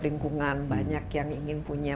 lingkungan banyak yang ingin punya